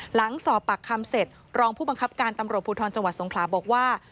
หลังสอบปากคำเสร็จรองผู้บังคับการตำรวจภูทรจังหวัดสงขลาบอกว่า